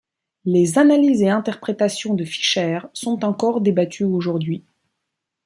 Les analyses et interprétations de Fisher sont encore débattues aujourd'hui.